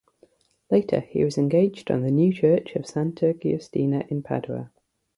Later, he was engaged on the new church of Santa Giustina in Padua.